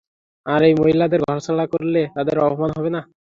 আর এই মহিলাদের ঘরছাড়া করলে, তাদের অপমান হবে না?